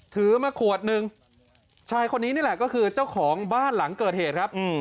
ถือมาขวดหนึ่งชายคนนี้นี่แหละก็คือเจ้าของบ้านหลังเกิดเหตุครับ